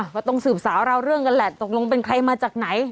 ก็ต้องสืบสาวราวเรื่องกันแหละตกลงเป็นใครมาจากไหน